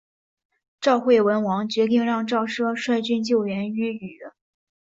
赵惠文王决定让赵奢率军救援阏与。